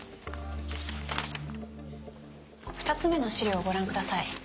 ２つ目の資料をご覧ください。